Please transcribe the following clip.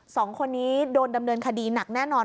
สองคนนี้โดนดำเนินคดีหนักแน่นอน